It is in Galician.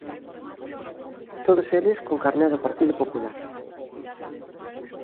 Todos eles con carné do Partido Popular.